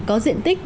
có diện tích